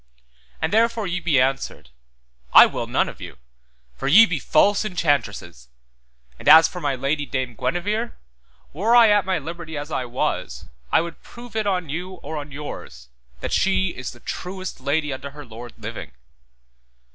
And therefore ye be answered, I will none of you, for ye be false enchantresses, and as for my lady, Dame Guenever, were I at my liberty as I was, I would prove it on you or on yours, that she is the truest lady unto her lord living.